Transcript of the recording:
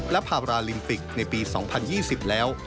และพาราลิมปิกในปี๒๐๒๐แล้ว